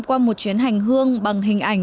qua một chuyến hành hương bằng hình ảnh